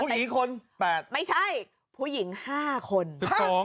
ผู้หญิงคน๘ไม่ใช่ผู้หญิง๕คน